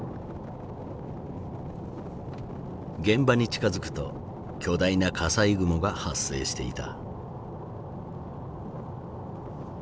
現場に近づくと巨大な火災雲が発生していた。